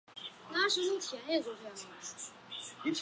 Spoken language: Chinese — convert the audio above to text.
城铁在此设有伊萨尔门站。